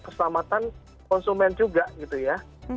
keselamatan konsumen juga gitu ya